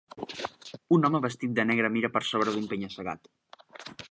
Un home vestit de negre mira per sobre d'un penya-segat.